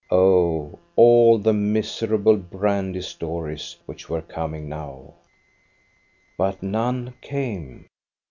Oh, all the miserable brandy stories, which were coming now ! But none came.